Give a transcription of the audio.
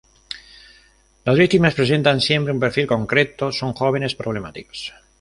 Las víctimas presentan siempre un perfil concreto: son jóvenes problemáticos.